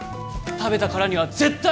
食べたからには絶対！